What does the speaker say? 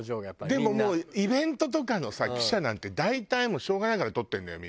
でもイベントとかの記者なんて大体もうしょうがないから撮ってるのよ